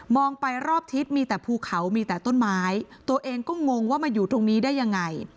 ไปรอบทิศมีแต่ภูเขามีแต่ต้นไม้ตัวเองก็งงว่ามาอยู่ตรงนี้ได้ยังไง